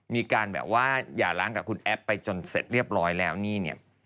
มีการแบบว่าหย่าล้างกับคุณแอฟไปจนเสร็จเรียบร้อยแล้วนี่เนี่ย